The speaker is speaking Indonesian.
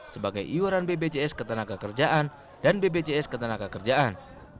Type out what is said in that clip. sebagai iwaran bbcs ketenagakerjaan dan bbcs ketenagakerjaan